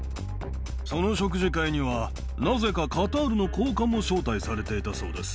その食事会には、なぜかカタールの高官も招待されていたそうです。